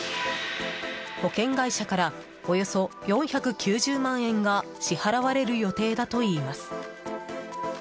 保険会社からおよそ４９０万円が支払われる予定だといいます。